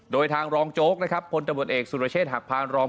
โดยทางรองโจ๊กนะครับพลตำรวจเอกสุรเชษฐหักพานรอง